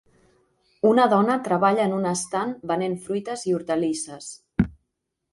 Una dona treballa en un estand venent fruites i hortalisses.